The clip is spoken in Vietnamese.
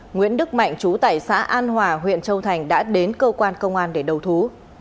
nguyễn đức mạnh chú tại xã an hòa huyện châu thành đã đến cơ quan công an để đầu thú